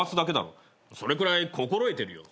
それくらい心得てるよ。